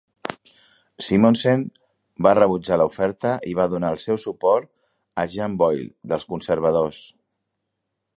Simonsen va rebutjar l'oferta i va donar el seu suport a Jan Boye dels Conservadors.